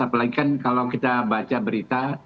apalagi kan kalau kita baca berita